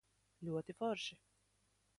Ļoti forši.